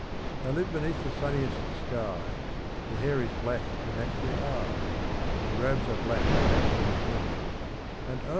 They live beneath the sunniest skies, Their hair is black to match their eyes; Their robes are black to match their hair, And, O!